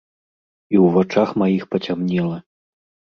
І ў вачах маіх пацямнела.